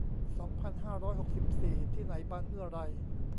สองพันห้าร้อยหกสิบสี่ ที่ไหนบานเมื่อไร